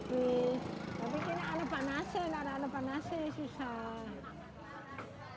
tapi kini ada panasnya tidak ada panasnya susah